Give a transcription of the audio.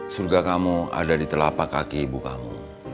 surga kamu ada di telapak kaki ibu kamu